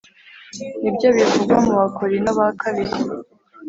Nibyo bivugwa mubakorinto bakabiri